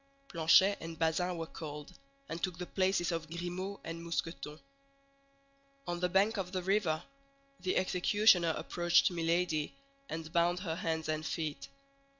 Planchet and Bazin were called, and took the places of Grimaud and Mousqueton. On the bank of the river the executioner approached Milady, and bound her hands and feet.